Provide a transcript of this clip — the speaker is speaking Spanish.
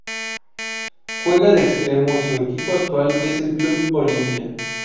Juega de Extremo y su equipo actual es el Club Olimpia.